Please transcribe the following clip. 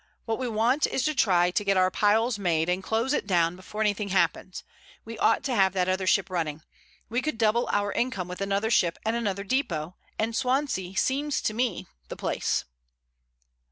What we want is to try to get our piles made and close it down before anything happens. We ought to have that other ship running. We could double our income with another ship and another depot. And Swansea seems to me the place."